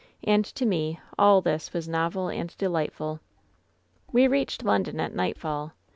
And to me all this was novel and delightful. "We reached London at nightfall.